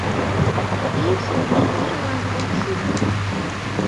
пий шудыш пирылан ок шу...